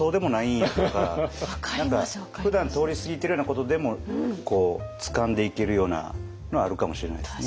ふだん通り過ぎてるようなことでもつかんでいけるようなのはあるかもしれないですね。